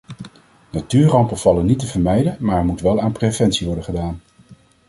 Natuurrampen vallen niet te vermijden maar er moet wel aan preventie worden gedaan.